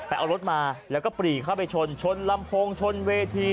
เอารถมาแล้วก็ปรีเข้าไปชนชนลำโพงชนเวที